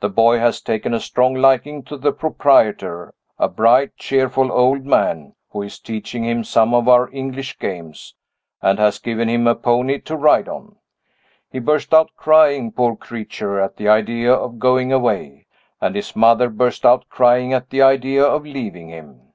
The boy has taken a strong liking to the proprietor a bright, cheerful old man, who is teaching him some of our English games, and has given him a pony to ride on. He burst out crying, poor creature, at the idea of going away and his mother burst out crying at the idea of leaving him.